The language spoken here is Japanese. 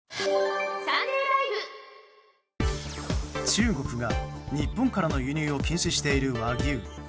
中国が日本からの輸入を禁止している和牛。